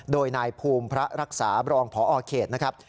โดยนายภูมิพระรักษาบรองพอเขตนะครับ